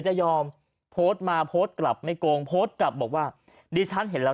แล้วมันเป็นประเด็นอยู่แล้ว